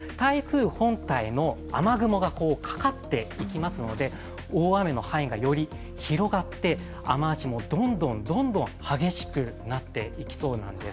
ちなみに九州南部明日になってきますと台風本体の雨雲がかかっていきますので、大雨の範囲が、より広がって、雨脚もどんどん激しくなっていきそうなんです。